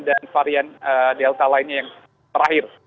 dan varian delta lainnya yang terakhir